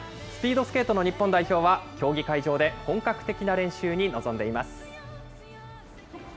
スピードスケートの日本代表は競技会場で本格的な練習に臨んでいます。